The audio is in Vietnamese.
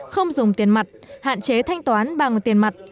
không dùng tiền mặt hạn chế thanh toán bằng tiền mặt